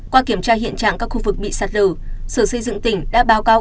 qua kiểm tra hiện trạng các khu vực bị sạt lở sở xây dựng tỉnh đã báo cáo